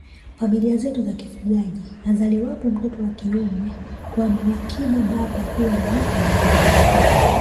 Familia zetu za kifugaji azaliwapo mtoto wa kiume kwa wakina baba huwa ni nderemo